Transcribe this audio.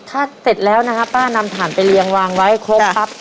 ถ้าเสร็จแล้วนะครับป้านำถ่านไปเรียงวางไว้ครบครับ